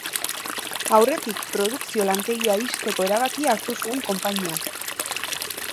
Aurretik produkzio lantegia ixteko erabakia hartu zuen konpainiak.